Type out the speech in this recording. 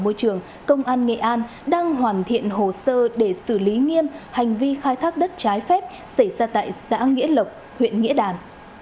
bộ công an nghệ an đang hoàn thiện hồ sơ để xử lý nghiêm hành vi khai thác đất trái phép xảy ra tại xã nghĩa lộc huyện nghĩa đàn